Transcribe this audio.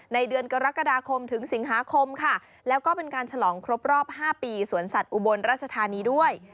เดือนกรกฎาคมถึงสิงหาคมค่ะแล้วก็เป็นการฉลองครบรอบ๕ปีสวนสัตว์อุบลราชธานีด้วย